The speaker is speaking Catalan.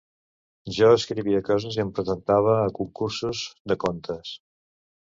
Jo escrivia coses i em presentava a concursos de contes.